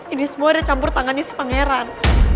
ini semua ada campur tangannya si pangeran